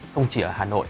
không chỉ ở hà nội